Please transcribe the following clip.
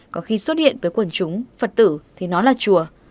có khi xuất hiện với quần chúng phật tử thì nó là chùa